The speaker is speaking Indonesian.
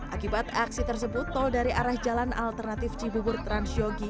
akibat aksi tersebut tol dari arah jalan alternatif cibubur transyogi